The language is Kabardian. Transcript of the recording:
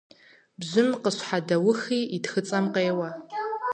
Бжьым къыщхьэдэухи, и тхыцӀэм къеуэ.